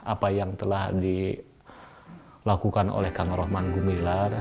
apa yang telah dilakukan oleh kang rohman gumilan